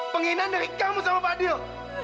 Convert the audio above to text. pengenan dari kamu sama pak dio